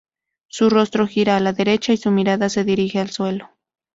Su rostro gira a la derecha y su mirada se dirige al suelo.